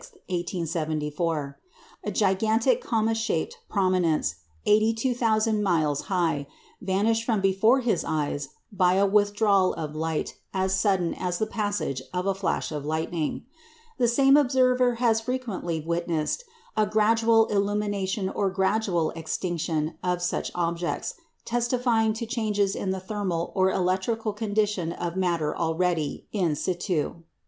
A gigantic comma shaped prominence, 82,000 miles high, vanished from before his eyes by a withdrawal of light as sudden as the passage of a flash of lightning. The same observer has frequently witnessed a gradual illumination or gradual extinction of such objects, testifying to changes in the thermal or electrical condition of matter already in situ.